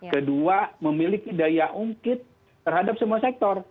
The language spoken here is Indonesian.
kedua memiliki daya ungkit terhadap semua sektor